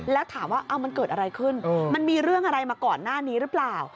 แล้วถามว่ามันเกิดอะไรขึ้นมันมีเรื่องอะไรมาก่อนหน้านี้หรือเปล่า